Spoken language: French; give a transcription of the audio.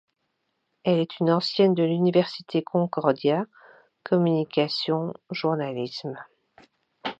Elle est une ancienne de l'Université Concordia, communication - journalisme.